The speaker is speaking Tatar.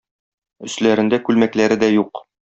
Өсләрендә күлмәкләре дә юк.